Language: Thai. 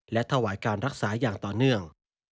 และถวายการรักษาอย่างต่อเนื่อง